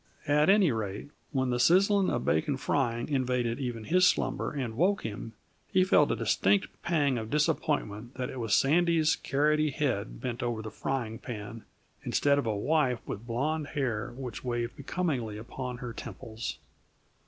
At any rate, when the sizzling of bacon frying invaded even his slumber and woke him, he felt a distinct pang of disappointment that it was Sandy's carroty head bent over the frying pan, instead of a wife with blond hair which waved becomingly upon her temples.